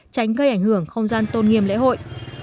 tránh gây ảnh hưởng không gian tôn nghiêm lễ hội